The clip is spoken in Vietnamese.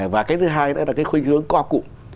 và cái thứ hai đó là cái khuyến hướng co cụm